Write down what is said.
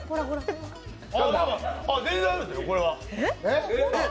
全然ありですよ、これは。